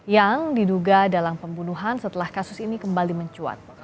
yang diduga dalam pembunuhan setelah kasus ini kembali mencuat